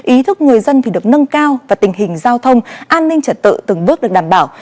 ý thức người dân được nâng cao và tình hình giao thông an ninh trật tự từng bước được đảm bảo